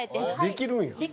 できるんや。